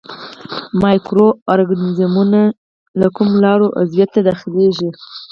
مایکرو ارګانیزمونه له کومو لارو عضویت ته داخليږي.